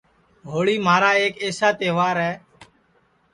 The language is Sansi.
ہوݪی مھارا ایک ایسا تہوار ہے